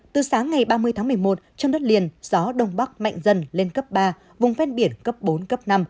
từ sáng ngày ba mươi tháng một mươi một trong đất liền gió đông bắc mạnh dần lên cấp ba vùng ven biển cấp bốn cấp năm